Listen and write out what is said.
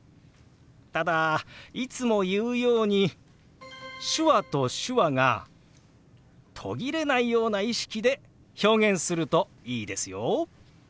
ただいつも言うように手話と手話が途切れないような意識で表現するといいですよ。